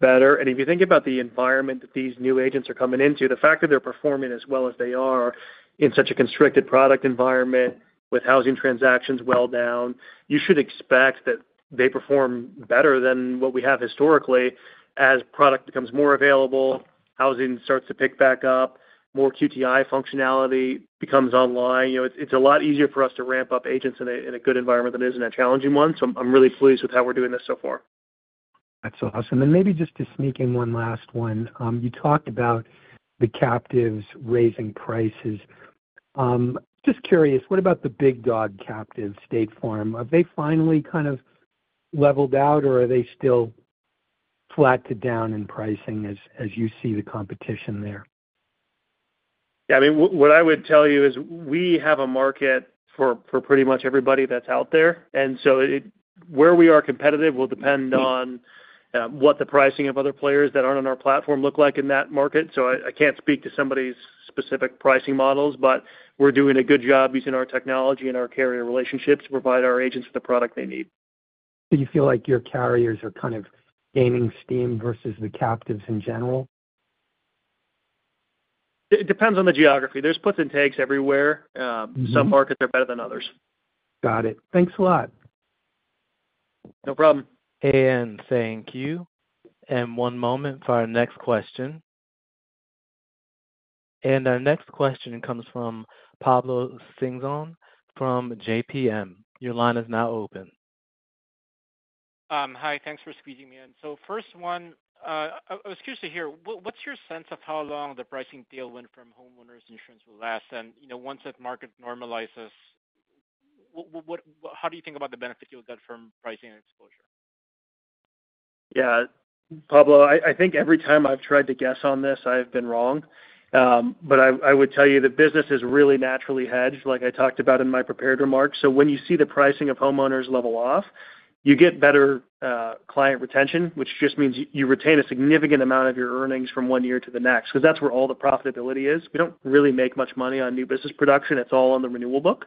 better. And if you think about the environment that these new agents are coming into, the fact that they're performing as well as they are in such a constricted product environment with housing transactions well down, you should expect that they perform better than what we have historically. As product becomes more available, housing starts to pick back up, more QTI functionality becomes online. You know, it's, it's a lot easier for us to ramp up agents in a, in a good environment than it is in a challenging one. So I'm, I'm really pleased with how we're doing this so far. That's awesome. And maybe just to sneak in one last one. You talked about the captives raising prices. Just curious, what about the big dog captive State Farm? Have they finally kind of leveled out, or are they still flat to down in pricing as you see the competition there? Yeah, I mean, what I would tell you is we have a market for pretty much everybody that's out there. And so where we are competitive will depend on what the pricing of other players that aren't on our platform look like in that market. So I can't speak to somebody's specific pricing models, but we're doing a good job using our technology and our carrier relationships to provide our agents with the product they need. Do you feel like your carriers are kind of gaining steam versus the captives in general? It depends on the geography. There's puts and takes everywhere. Mm-hmm. Some markets are better than others. Got it. Thanks a lot. No problem. And thank you. And one moment for our next question. And our next question comes from Pablo Singzon, from JPM. Your line is now open. Hi, thanks for squeezing me in. So first one, I was curious to hear, what's your sense of how long the pricing tailwind from homeowners insurance will last? And, you know, once that market normalizes, what, how do you think about the benefit you'll get from pricing and exposure? Yeah, Pablo, I think every time I've tried to guess on this, I've been wrong. But I would tell you the business is really naturally hedged, like I talked about in my prepared remarks. So when you see the pricing of homeowners level off, you get better client retention, which just means you retain a significant amount of your earnings from one year to the next, because that's where all the profitability is. We don't really make much money on new business production. It's all on the renewal book.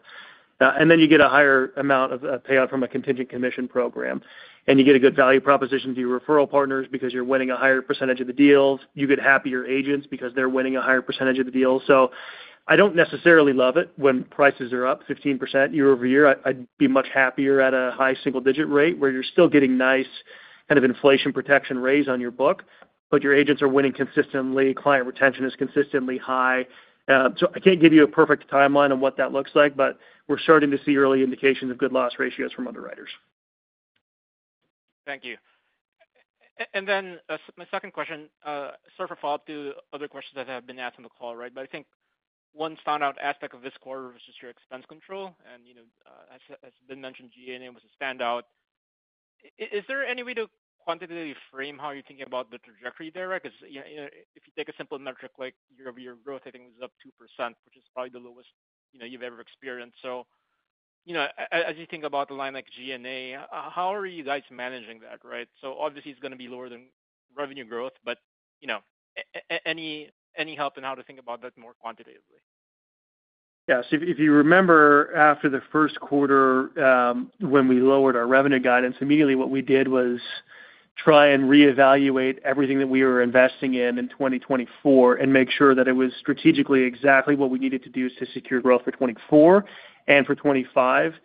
And then you get a higher amount of payout from a contingent commission program, and you get a good value proposition to your referral partners because you're winning a higher percentage of the deals. You get happier agents because they're winning a higher percentage of the deals. So I don't necessarily love it when prices are up 15% year-over-year. I'd be much happier at a high single digit rate, where you're still getting nice kind of inflation protection raise on your book, but your agents are winning consistently, client retention is consistently high. So I can't give you a perfect timeline on what that looks like, but we're starting to see early indications of good loss ratios from underwriters. Thank you. And then, my second question, sort of a follow-up to other questions that have been asked on the call, right? But I think one standout aspect of this quarter was just your expense control, and, you know, as has been mentioned, G&A was a standout. Is there any way to quantitatively frame how you're thinking about the trajectory there, right? 'Cause, you know, if you take a simple metric like year-over-year growth, I think it was up 2%, which is probably the lowest, you know, you've ever experienced. So, you know, as you think about the line like G&A, how are you guys managing that, right? So obviously, it's gonna be lower than revenue growth, but, you know, any help on how to think about that more quantitatively? Yes. If you remember after the first quarter, when we lowered our revenue guidance, immediately what we did was try and reevaluate everything that we were investing in in 2024 and make sure that it was strategically exactly what we needed to do to secure growth for 2024 and for 2025.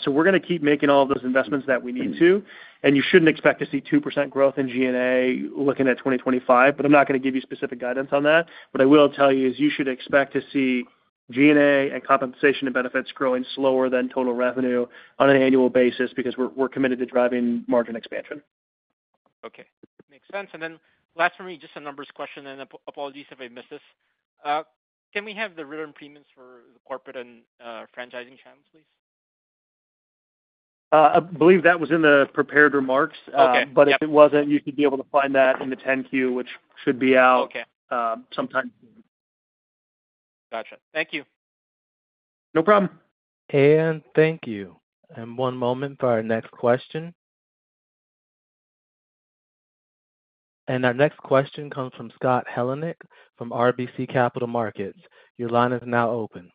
So we're gonna keep making all those investments that we need to, and you shouldn't expect to see 2% growth in G&A looking at 2025, but I'm not gonna give you specific guidance on that. What I will tell you is you should expect to see G&A and compensation and benefits growing slower than total revenue on an annual basis, because we're committed to driving margin expansion. Okay, makes sense. And then last for me, just a numbers question, and apologies if I missed this. Can we have the return premiums for the corporate and franchising channels, please? I believe that was in the prepared remarks. Okay. But if it wasn't, you should be able to find that in the 10-Q, which should be out- Okay. Sometime soon. Gotcha. Thank you. No problem. And thank you. And one moment for our next question. And our next question comes from Scott Heleniak, from RBC Capital Markets. Your line is now open.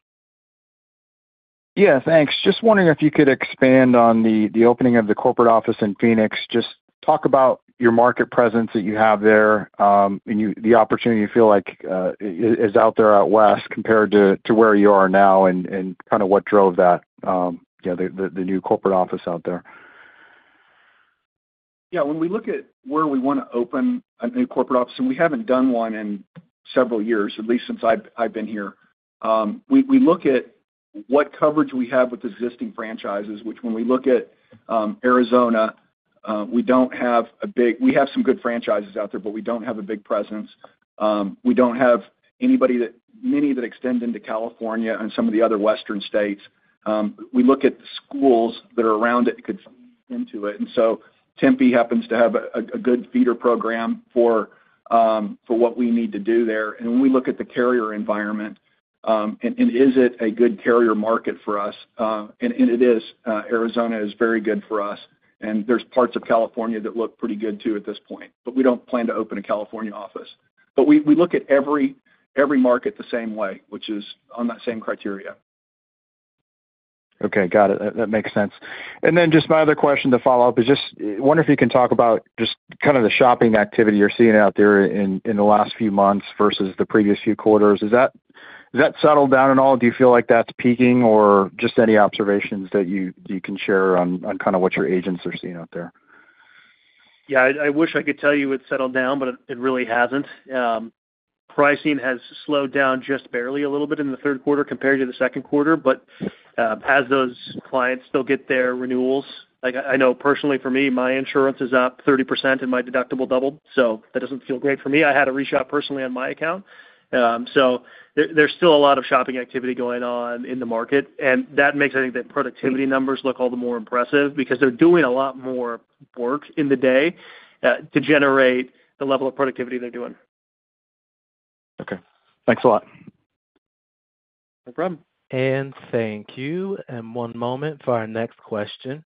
Yeah, thanks. Just wondering if you could expand on the opening of the corporate office in Phoenix. Just talk about your market presence that you have there, and the opportunity you feel like is out there out west compared to where you are now, and kind of what drove that, you know, the new corporate office out there. Yeah, when we look at where we want to open a new corporate office, and we haven't done one in several years, at least since I've been here, we look at what coverage we have with existing franchises, which when we look at Arizona, we don't have a big presence. We have some good franchises out there, but we don't have a big presence. We don't have many that extend into California and some of the other western states. We look at the schools that are around it that could feed into it, and so Tempe happens to have a good feeder program for what we need to do there. And when we look at the carrier environment, and is it a good carrier market for us? And it is. Arizona is very good for us, and there's parts of California that look pretty good too, at this point, but we don't plan to open a California office, but we look at every market the same way, which is on that same criteria. Okay, got it. That makes sense. And then just my other question to follow up is just, wonder if you can talk about just kind of the shopping activity you're seeing out there in the last few months versus the previous few quarters. Has that settled down at all? Do you feel like that's peaking or just any observations that you can share on kind of what your agents are seeing out there? Yeah, I wish I could tell you it's settled down, but it really hasn't. Pricing has slowed down just barely a little bit in the third quarter compared to the second quarter, but as those clients still get their renewals, like I know personally for me, my insurance is up 30% and my deductible doubled, so that doesn't feel great for me. I had to reshop personally on my account. So there's still a lot of shopping activity going on in the market, and that makes I think the productivity numbers look all the more impressive because they're doing a lot more work in the day to generate the level of productivity they're doing. Okay, thanks a lot. No problem. Thank you. One moment for our next question.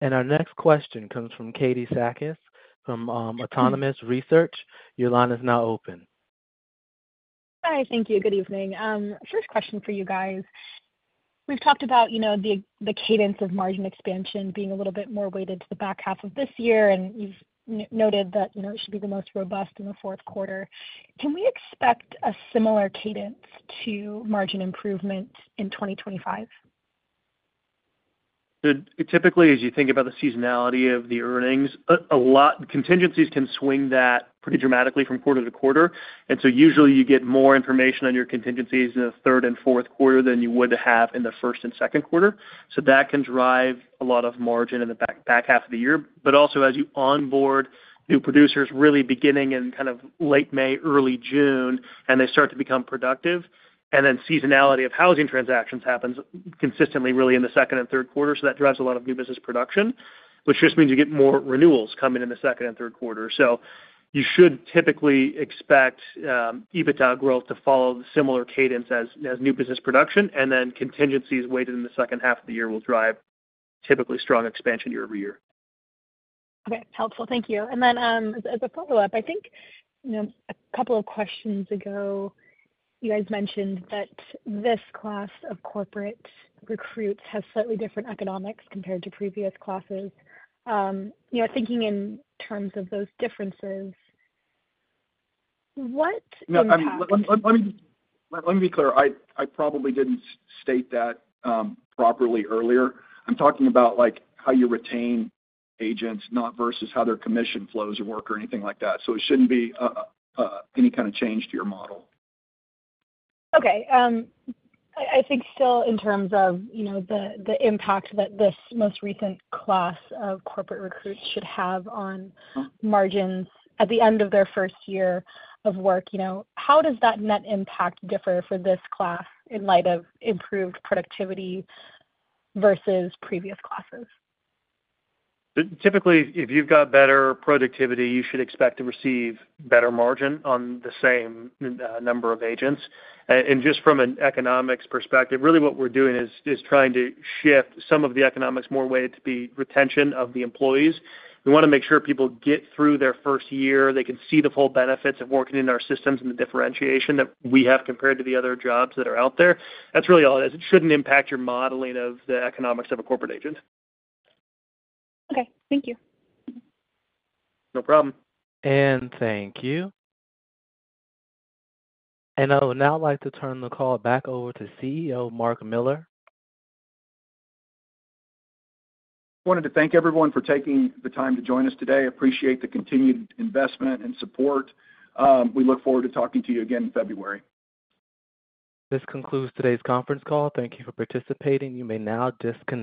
Our next question comes from Katie Sakys from Autonomous Research. Your line is now open. Hi. Thank you. Good evening. First question for you guys. We've talked about, you know, the cadence of margin expansion being a little bit more weighted to the back half of this year, and you've noted that, you know, it should be the most robust in the fourth quarter. Can we expect a similar cadence to margin improvement in 2025? Typically, as you think about the seasonality of the earnings, a lot of contingencies can swing that pretty dramatically from quarter to quarter, and so usually you get more information on your contingencies in the third and fourth quarter than you would have in the first and second quarter. So that can drive a lot of margin in the back half of the year. But also as you onboard new producers, really beginning in kind of late May, early June, and they start to become productive, and then seasonality of housing transactions happens consistently, really in the second and third quarter. So that drives a lot of new business production, which just means you get more renewals coming in the second and third quarter. You should typically expect EBITDA growth to follow the similar cadence as new business production, and then contingencies weighted in the second half of the year will drive typically strong expansion year-over-year. Okay, helpful. Thank you, and then as a follow-up, I think, you know, a couple of questions ago, you guys mentioned that this class of corporate recruits have slightly different economics compared to previous classes. You know, thinking in terms of those differences, what impact- No, let me be clear. I probably didn't state that properly earlier. I'm talking about, like, how you retain agents, not versus how their commission flows work or anything like that. So it shouldn't be any kind of change to your model. Okay. I think still in terms of, you know, the impact that this most recent class of corporate recruits should have on margins at the end of their first year of work, you know, how does that net impact differ for this class in light of improved productivity versus previous classes? Typically, if you've got better productivity, you should expect to receive better margin on the same number of agents. And just from an economics perspective, really what we're doing is trying to shift some of the economics more weighted to the retention of the employees. We want to make sure people get through their first year, they can see the full benefits of working in our systems and the differentiation that we have compared to the other jobs that are out there. That's really all it is. It shouldn't impact your modeling of the economics of a corporate agent. Okay. Thank you. No problem. Thank you. I would now like to turn the call back over to CEO Mark Miller. Wanted to thank everyone for taking the time to join us today. Appreciate the continued investment and support. We look forward to talking to you again in February. This concludes today's conference call. Thank you for participating. You may now disconnect.